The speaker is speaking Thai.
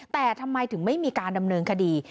แต่ทำไมถึงไม่มีการดำเนินคดี